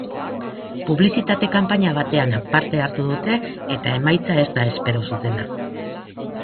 Publizitate-kanpaina batean parte hartu dute eta emaitza ez da espero zutena.